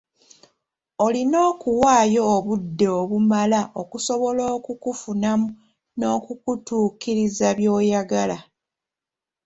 Olina okuwaayo obudde obumala okusobala okukufunamu n'okukutuukiriza by'oyagala.